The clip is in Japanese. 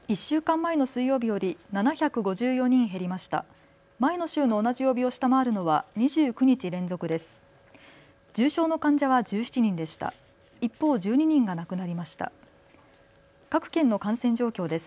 前の週の同じ曜日を下回るのは２９日連続です。